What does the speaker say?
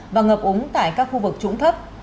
và ngập úng tại các khu vực trũng thấp